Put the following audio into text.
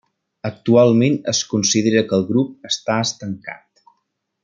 Actualment es considera que el grup està estancat.